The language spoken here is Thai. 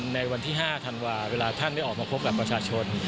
ในวันที่๕ธันวาเวลาท่านได้ออกมาพบกับประชาชน